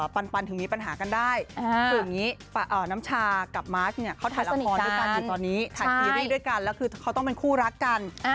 แต่ต้องบอกก่อนเลยว่าหลายคนบอกว่า